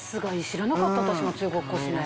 知らなかった私も中国コスメ。